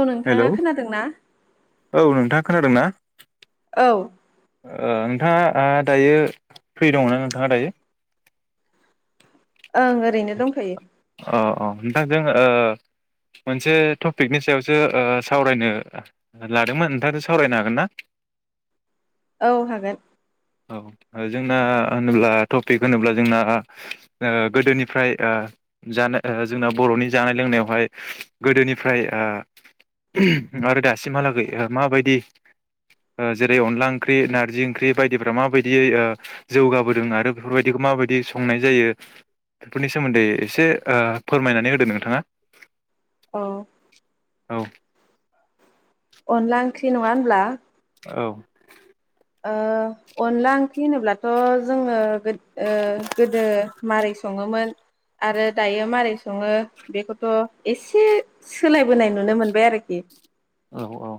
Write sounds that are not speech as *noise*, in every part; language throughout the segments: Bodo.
औ हेलौ नोंथाङा खोनादोंना? औ नोंथाङा खोनादों ना? औ ओ नोंथाङा ओ दायो फ्रि दङना नोंथाङा दायो? ओं ओरैनो दंथ'यो । अ अ नोंथांजों ओ मोनसे टपिकनि सायावसो ओ सावरायनो लादोंमोन नोंथांजों सावरायनो हागोन ना? औ हागोन औ जोंना होनोब्ला टपिक होनोब्ला जोंना ओ गोदोनिफ्राय ओ जानो जोंना बर'नि जानाय लोंनायावहाय गोदोनिफ्राय ओ आरो दासिमहालागै ओ माबायदि ओ जेरै अनला ओंख्रि नारजि ओंख्रि बायदिफ्रा माबादियै ओ जौगाबोदों आरो बेफोरबायदिखौ माबायदि संनाय जायो बेफोरनि सोमोन्दै एसे ओ फोरमायनानै होदो नोंथाङा । औ अनला ओंख्रि नङा होनब्ला? औ ओ अनला ओंख्रि होनोब्लाथ' जोङो गो-ओ गोदो मारै सङोमोन आरो दायो मारै सङो बेखौथ' एसे सोलायबोनाय नुनो मोनबाय आरोखि । औ औ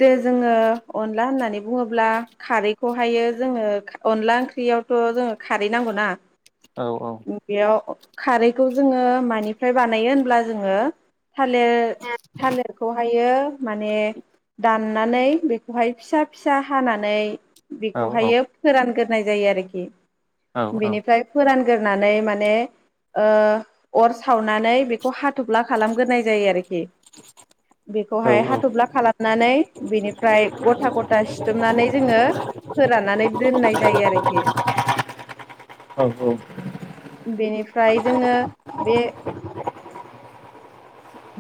दो जोङो अनला होननानै बुङोब्ला खारैखौहायो जोङो अनला ओंख्रियावथ' जोङो खारै नांगौना। औ बेयाव खारैखौ जोङो मानिफ्राय बानायो होनब्ला जोङो थालिर थालिरखौहायो माने दान दानानै बेखौहाय फिसा फिसा हानानै औ बेखौहायो फोरानग्रो नाय जायो आरोखि औ । बेनिफ्राय फोरान ग्रोनानै माने ओ अर सावनानै बैखौ हा थ'फ्ला खालामग्रोनाय जायो आरोखि। औ बेखौहाय औ हाथ'फ्ला खालामनानै बेनिफ्राय गथा गथा सिथुमनानै जोङो फोराननानै दोननाय जायो आरोखि। औ औ फ्राय जोङो बे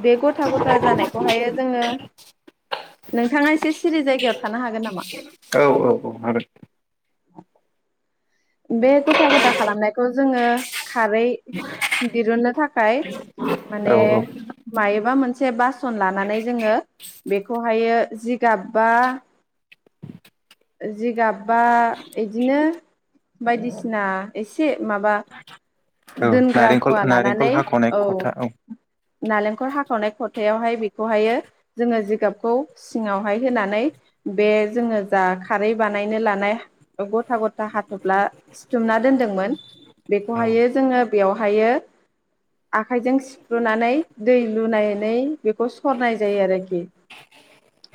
बे गथा गथा जानाय खौहायो जोङो। नोंथाङा एसे सिरि जायगायाव थानो हागोन नामा? औ औ औ हागोन बे गथा गथा खालामनायखौ जोङो खारै दिरुननो थाखाय माने औ औ मायोबा मोनसे मोनसे बासन लानानै जोङो बेखौहायो जिगाबबा जिगाबबा इदिनो बायदिसिना एसे माबा औ दोनग्रा नारेंखल मुवा नारेंखल लानानै हाख'नाय खथा औ नालेंखर हाखावनाय खथायावहाय बेखौहायो जोङो जिगाबखौ सिङावहाय होनानै बे जोङो जा खारै बानायनो लानाय गथा गथा हा थ'फ्ला सिथुमना दोन्दोंमोन औ बेखौहायो जोङो बेयावहाय आखाइजों सिफ्रुनानै दै लुनानै बेखौ सरनाय जायो आरोखि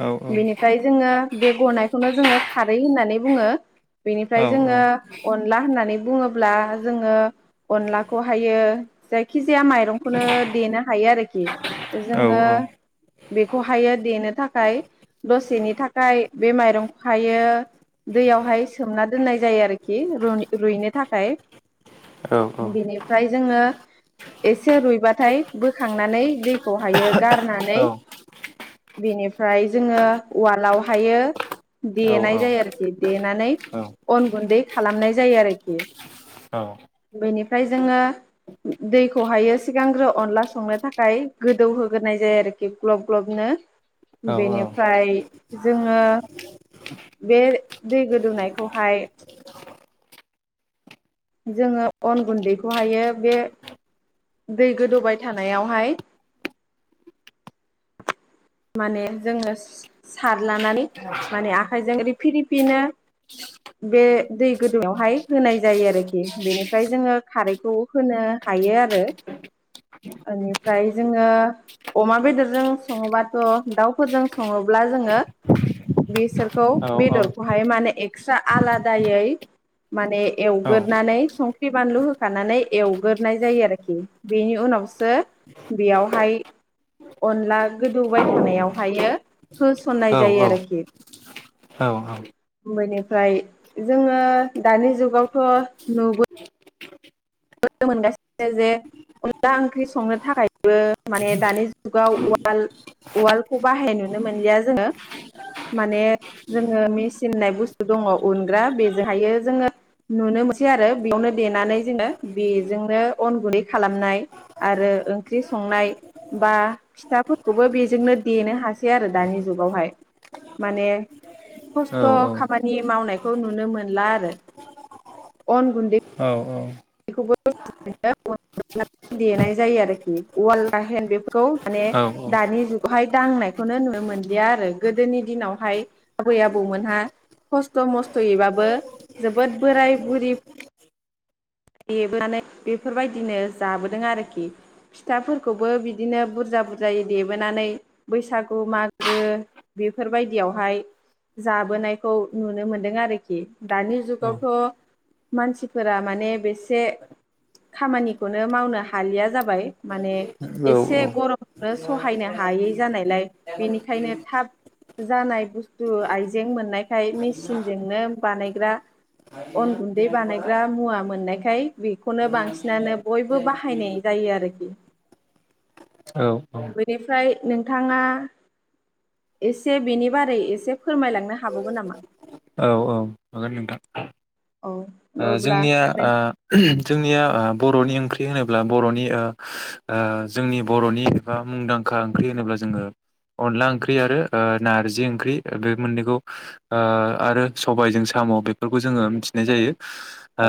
औ औ बेनिफ्राय जोङो बे गनायखौनो जोङो खारै होननानै बुङो । बेनिफ्राय औ जोङो अनला होननानै बुङोब्ला जोङो अनलाखौहायो जायखि जाया माइरंखौनो देनो हायो आरोखि। औ जोङो बेखौहायो देनो थाखाय दसेनि थाखाय बे माइरंखौहायो दैयावहाय सोमना दोननाय जायो आरोखि रु-रुइनो थाखाय औ बेनिफ्राय जोङो एसे रुइबाथाय बोखांनानै दैखौहायो गारनानै बेनिफ्राय जोङो उवालावहायो देनाय जायो आरोखि देनानै अन गुन्दै खालामनाय जायो आरोखि। बेनिफ्राय जोङो दैखौहायो सिगांग्रो अनला संनो थाखाय गोदौहोग्रोनाय जायो आरोखि ग्लब ग्लबनो बेनिफ्राय जोङो बे दै गोदौनायखौ खौहाय जोङो अन गुन्दैखौहायो बे दै गोदौबाय थानायावहाय माने जोङो सारलानानै माने आखाइजों रिफि रिफिनो बे दै गोदौआवहाय होनाय जायो आरोखि बेनिफ्राय जोङो खारैखौ होनो हायो आरो इनिफ्राय जोङो अमा बेदरजों सङोबाथ' दाउफोरजों सङोब्ला जोङो बेसोरखौ बेदरखौहाय माने एक्सट्रा आलादायै माने एवगोरानै संख्रि बानलु होखानानै एवगोरोनाय जायो आरोखि बेनि उनावसो बेयावहाय अनला गोदौबाय थानायावहायो होसननाय जायो औ आरोखि। बेनिफ्राय जोङो दानि जुगावथ' नु बोनो मोनगासिनो जे अनला ओंख्रि संनो थाखायबो माने दानि जुगाव उवाल उवालखौ बाहाय नुनो मोनलिया जोङो माने जोङो मेसिन होननाय बुस्थु दङ उनग्रा बेजोंहायो जोङो नुनो मोनसै आरो बेयावनो देनानै जोङो बेजोंनो अन गुन्दै खालामनाय आरो ओंख्रि संनाय बा फिथाफोरखौबो बेजोंनो देनो हासै आरो दानि जुगावहाय ।माने खस्थ' खामानि मावनायखौ नुनो मोनला आरो अन गुन्दै बेखौबोननानै *unintelligible* देनाय जायो आरोखि उवाल गाहेन बेफोरखौ माने दानि जुगावहाय दांनायखौनो नुनो मोनलिया आरो गोदोनि दिनावहाय आबै आबौमोनहा खस्थ' मस्थ'यैबाबो जोबोद बोराय बुरि देबोनानै बेफोरबायदिनो जाबोदों आरोखि। फिथाफोरखौबो बिदिनो बुरजा बुरजायै देबोनानै बैसागु मागो बेफोरबायदियावहाय जाबोनायखौ नुनो मोनदों आरोखि दानि जुगावथ' मानसिफोरा माने ने बेसे खामानिखौनो मावनो हालिया जाबाय माने एसे गरमनो सहायनो हायै जानायलाय बेनिखायनो थाब जानाय बुुस्थु आयइजें मोननायखाय मेसिनजोंनो बानायग्रा अन गुन्दै बानायग्रा मुवा मोननायखाय बेखौनो बांसिनानो बयबो बाहायनाय जायो आरोखि बेनिफ्राय नोंथाङा एसे बेनि बारै एसे फोरमायलांनो हाबावगो नामा? हागोन नोंथां औ ओ अब्ला जोंनिया नों ओ जोंनिया ओ बर'नि ओंख्रि होनोब्ला बर'नि ओ ओ जोंनि बर'नि एबा मुंदांखा ओंख्रि होनोब्ला जोङो अनला ओंख्रि आरो ओ नारजि ओंख्रि बे मोननैखौ ओ आरो सबायजों साम' बेफोरखौ जोङो मिथिनाय जायो।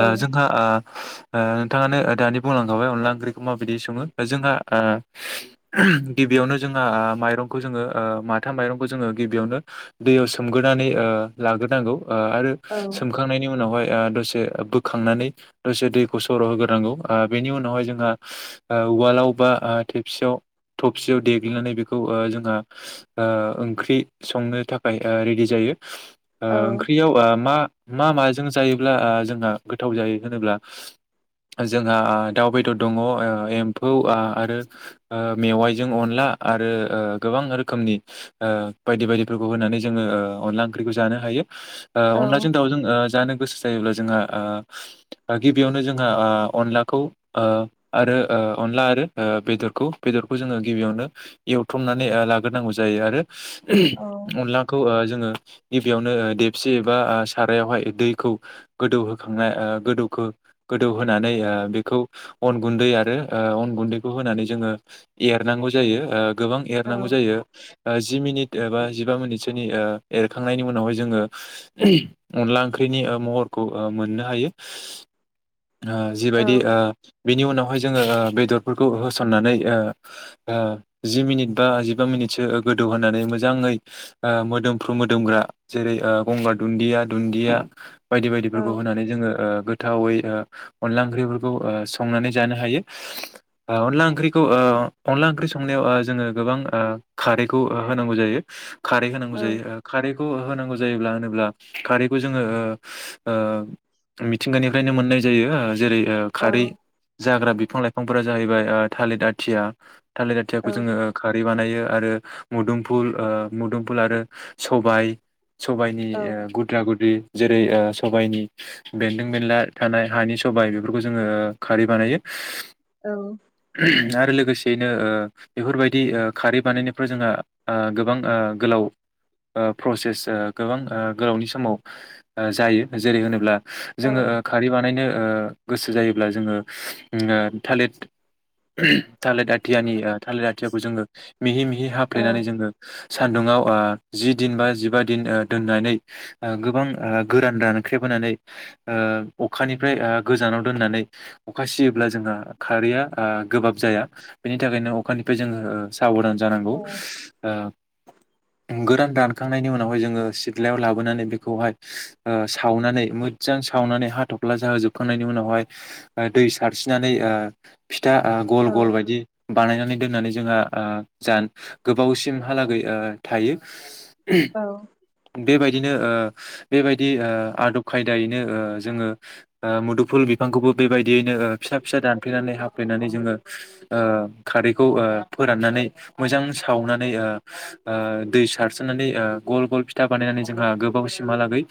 औ जोंहा ओ ओ नोंथाङानो ओ दानि बुंलांखाबाय अनला ओंख्रिखौ माबायदि सङो जोंहा ओ गिबियावनो जोंहा ओ माइरंखौ जोङो ओ माथा माइरंखौ जोङो गिबियावनो दैयाव सोमग्रोनानै ओ लाग्रोनांगौ। ओ आरो औ सोमखांनायनि उनावहाय *inaudible* से बोखांनानै दसे दैखौ सर' होग्रोनांगौ ओ बेनि उनावहाय जोंहा ओ उवालावबा ओ थेबसियाव थबसियाव देग्लिनानै बेखौ ओ जोंहा ओ ओंख्रि संनो थाखाय ओ रेडि जायो। ओ औ ओंख्रियाव ओ मा मा माजों जायो ब्ला ओ जोंहा गोथाव जायो होनोब्ला जोंहा ओ दाउ बेदर दङ ओ एम्फौ आ आरो ओ मेवाइजों अनला आरो ओ गोबां रोखोमनि ओ बायदि बायदिफोरखौ होनानै जोङो ओ अनला ओंख्रिखौ जानो हायो। ओ औ अनलाजों दाउजों ओ जानो गोसो जायोब्ला जोंहा ओ ओ गिबियावनो जोंहा ओ अनलाखौ ओ आरो ओ अनला आरो ओ बेदरखौ बेदरखौ जोङो गिबियावनो एव थ्रमनानै ओ लाग्रोनांगौ जायो आरो औ अनलाखौ ओ जोङो गिबियावनो ओ देबसि एबा सारायावहाय दैखौ गोदौ होखांनाय ओ गोदौखो गोदौहोनानै ओ बेखौ अन गुन्दै आरो ओ अन गुन्दैखौ होनानै जोङो एरनांगौ जायो ओ गोबां एरनांगौ जायो ओ जि मिनिट एबा जिबा मिनिटसोनि ओ एरखांनायनि उनावहाय जोङो अनला ओंख्रिनि ओ महरखौ ओ मोननो हायो। ओ जिबायदि ओ बिनि उनाव हाय जोङो ओ बेदरफोरखौ होसननानै ओ ओ जि मिनिट बा जिबा मिनिटसो गोदौ होनानै मोजाङै ओ मोदोमफ्रु मोदोमग्रा जेरै ओ गंगार दुन्दिया, दुन्दिया बायदि बायदिफोरखौ होनानै जोङो ओ गो थावै ओ अनला ओंख्रिफोरखौ ओ संनानै जानो हायो। ओ अनला ओंख्रिखौ ओ अनला ओंख्रि संनायाव ओ जोङो गोबां ओ खारै खौ ओ होनांगौ जायो खारै होनांगौ औ जायो ओ खारैखौ होनांगौ जायोब्ला होनोब्ला खारैखौ जोङो ओ ओ मिथिंगानिफ्रायनो मोननाय जायो। ओ जेरै ओ औ खारै औ जाग्रा बिफां लाइ फांफोरा जाहैबाय ओ थालिर आथिया थालिर औ आथियाखौ जोङो ओ खारै बानायो। यो आरो मुदुमफुल ओ मुदुमफुल आरो सबाय सबायाइनि औ ओ गुद्रा गुद्रि जेरै ओ सबायनि बेन्दों बेनला थानाय हानि सबाइ बेफोरखौ जोङो खारै बानायो। औ। आरो लोगोसेयैनो ओ बेफोरबायदि ओ खारै बानायनायफ्राव जोंहा ओ गोबां ओ गोलाव ओ प्रसेस ओ गोबां ओ गोलावनि समाव ओ जायो जेरै होनोब्ला औ जोङो ओ खारै बानायनो ओ गोसो जायोब्ला जोङो उम ओ थालिद थालिद आथियानि ओ थालिद आथियाखौ जोङो मिहि मिहि औ हाफ्लेनानै जोङो सान्दुुंआव ओ जि दिन बा जिबा दिन ओ दोननानै ओ गोबां ओ गोरान रानख्रेबहोनानै ओ अखानिफ्राय ओ गोजानाव दोननानै अखा सियोब्ला जोंहा खारैया ओ गोबाब जाया बेनि थाखायनो अखानिफ्राय जोङो साबधान जानांगौ। औ ओ गोरान रानखांनायनि उनावहाय जोङो सिथ्लायाव लाबोनानै बेखौहाय ओ सावनानै मोजां सावनानै हाथफ्ला जाहोजोबखांनायनि उनावहाय दै सारस्रोनानै ओ फि था ओ गल औ गल बायदि बानायनानै दोननानै जोंहा ओ जा गोबावसिमहालागै ओ थायो। औ। बेबायदिनो ओ बेबायदि दि ओ आदब खायदाय नो जोङो ओ मुदुफुल बिफांखौबो बेबायदियैनो ओ फिसा फिसा दानफ्लेनानै हाफ्लेनानै जोङो ओ खारैखौ फोराननानै मोजां सावनानै दै सारसननानै गल गल फिथा बानायनानै जोंहा गोबावसिमहालागै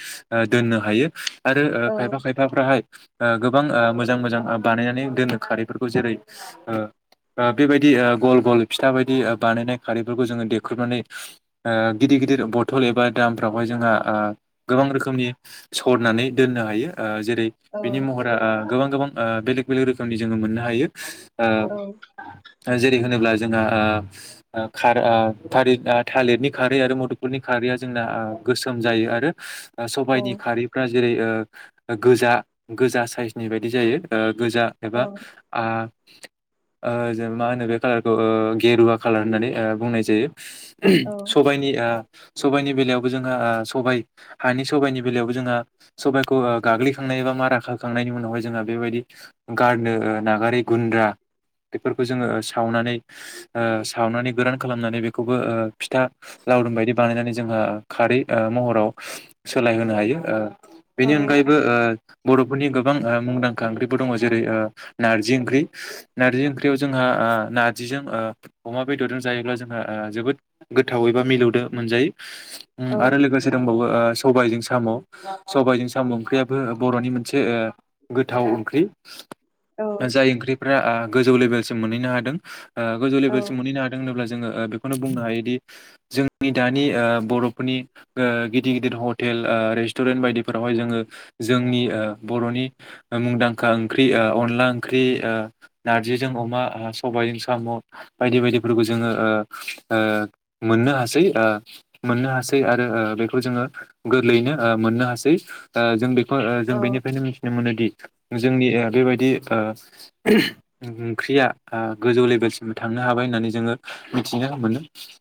दोननो हायो आरो ओ औ खायफा खायफाफ्राहाय ओ गोबां ओ मोजां मोजां बानायनानै दोनो ओ खारैफोरखौ जेरै बेबायदि ओ गल गल फिथा बायदि बानायनाय खारैफोरखौ जोङो देख्रुबनानै ओ गिदिर गिदिर बथल एबा दामफ्रावहाय जोंहा गोबां गावनि सरनानै दोननो हायो जेरै औ बिनि महरा ओ गोबां गोबां ओ बेलेग बेलेग रोखोमनि जोङो मोननो हायो ओ जेरै होनोब्ला जो जोंना ओ खार ओ थालिरनि खारै आरो ओ मुदुफलनि खारैया जोंना गोसोम जायो आरो सबाइनि खारिफ्रा जेरै ओ गोजा गोजा साइजनि बायदि जायो ओ गोजा एबा ओ जों मा होनो बे कालारखौ ओ गेरुवा कालार होननानै बुंनाय जायो सबायाइनि ओ सबायाइनि बेलायावबो जोंहा ओ सबाय हानि सबाइनि बेलायावबो जोंहा सबाइखौ गाग्लिखांनाय ए बा मारााखखांनायनि उनावहाय जोंहा बेबायदि गारनो ओ नागारै गुन्द्रा बेफोरखौ जोङो सावनानै ओ सावनानै गोरान खालामनानै बेखौबो ओ फिथा लावदुम बायदि बानायनानै जोंहा खारै ओ महराव सोलायहोनो हायो ओ बेनि अनगायैबो ओ बर'फोरनि गोबां ओ मुंदांखा ओंख्रिबो दङ जेरै नारजि ओंख्रि नारजि ओंख्रियाव जोंहा नारजिजों अमा बेदरजों जायोब्ला जोंहा जोबोद गोथाव एबा मिलौदो मोनजायो उम आरो लोगोसे दंबावो ओ सबायजों साम' सबायजों साम' ओंख्रियाबो बर'नि मोनसे ओ गोथाव ओंख्रि जाय ओंख्रिफोरा ओ गोजौ लेभेलसिम मोनहैनो हादों ओ गोजौ लेभेलसिम मोनहनोादों होनोब्ला जो जोङो बेखौनो बुंनो हायोदि जोंनि दानि ओ बर'फोरनि ओ गिदिर गिदिर हथ हटेल ओ रेस्टुरेन्ट बायदिफोरावहाय जोङो जोंनि ओ बर'नि मुंदांखा ओंख्रि ओ अनला ओंख्रि ओ नारजिजों अमा ओ सबायजों साम' बायदि बायदिफोरखौ जोङो ओ ओ मोननो ओ हासै मोननो हासै आरो बेखौ ओ जोङो गोरलैयैनो ओ मोननो हासै ओ जों बे ओ जों बेनिफ्रायनो मिथिनो मोनोदि जोंनि ओ बेबायदि ओ ओंख्रिया ओ गोजौ लेभेलसिम थांनो हाबाय होननानै जोङो मिथिनो मोनो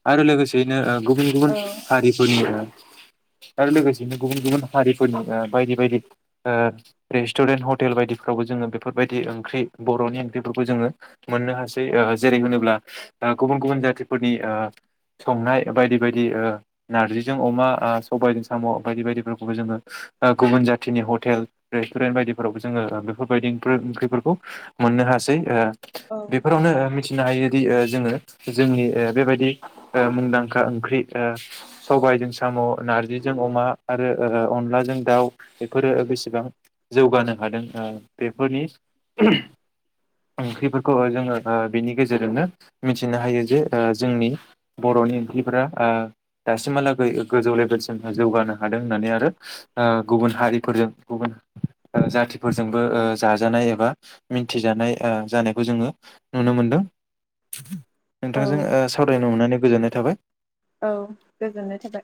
आरो लोगोसेयैनो ओ गुबुन गुबुन औ हारिफोरनि आरो लोगोसेनो गुबुन गुबुन हारिफोरनि ओ बायदि बायदि ओ रेस्टुरेन्ट हटेल बायदिफ्रावबो जोङो बेफोरबायदि ओंख्रि बर'नि ओंख्रिफोरखौ जोङो मोननो हासै ओ जेरै होनोब्ला गुबुन गुबुन जाथिफोरनि ओ संनाय बायदि बायदि ओ नारजिजों अमा ओ सबायजों साम' बायदि बायदिफोरखौबो जोङो ओ गुबुन जाथिनि हटेल रेस्टुरेन्ट बायदिफोरावबो जोङो बेफोरबायदि ओंख्रिफोरखौ मोननो हासै ओ औ बेफोरावनो मिथिनो हायोदि ओ जोङो जोंनि ओ बेबायदि मुंदांखा ओंख्रि ओ सबायजों साम' नारजि जों अमा आरो ओ अनलाजों दाउ बेफोरो बेसेबां जौगानो हादों ओ बेफोरनि ओंख्रिफोरखौ जोङो ओ बेनि गेजेरजोंनो मिथिनो हायो जे ओ जोंनि बर'नि ओंख्रिफोरा ओ दासिमहालागै गोजौ लेबेलसिम जों जौगानो हादों होननानै आरो ओ गुबुन हारिफोरजों गुबुन जाथिफोरजोंबो ओ जाजानाय एबा मिथिजानाय ओ जानायखौ जोङो नुनो मोनदों औ नोंथांजों ओ सावरायनो ननानै गोजोननाय थाबाय औ गोजोननाय थाबाय